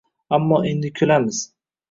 Ammo endi kulamiz!